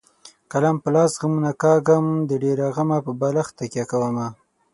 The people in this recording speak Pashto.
قلم په لاس غمونه کاږم د ډېره غمه په بالښت تکیه کومه.